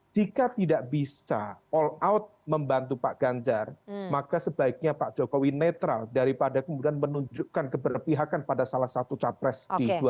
jika tidak bisa all out membantu pak ganjar maka sebaiknya pak jokowi netral daripada kemudian menunjukkan keberpihakan pada salah satu capres di dua ribu sembilan belas